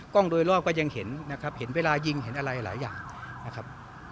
โดยรอบก็ยังเห็นนะครับเห็นเวลายิงเห็นอะไรหลายอย่างนะครับ